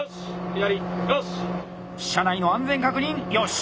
車内の安全確認よし！